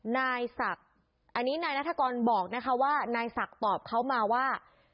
นายศักดิ์อันนี้นายนัฐกรบอกนะคะว่านายศักดิ์ตอบเขามาว่า